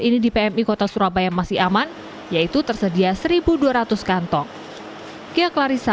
ini di pmi kota surabaya masih aman yaitu tersedia seribu dua ratus kantong